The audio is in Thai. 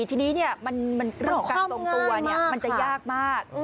ทีนี้เนี่ยมันกลับตรงตัวเนี่ยมันจะยากมาก